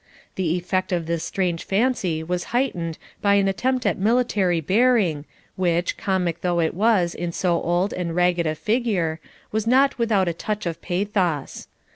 The effect of this strange fancy was heightened by an attempt at military bearing which, comic though it was in so old and ragged a figure, was not without a touch of pathos.